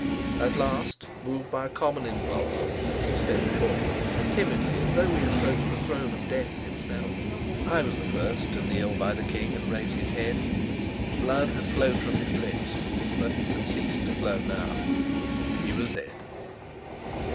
At last, moved by a common impulse, we stepped forward, but timidly, as though we approached the throne of Death himself. I was the first to kneel by the king and raise his head. Blood had flowed from his lips, but it had ceased to flow now. He was dead.